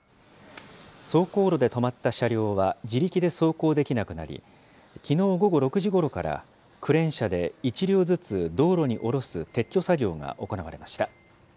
走行路で止まった車両は自力で走行できなくなり、きのう午後６時ごろからクレーン車で１両ずつ道路に下ろす撤去作業が行われました。